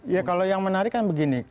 ya kalau yang menarik kan begini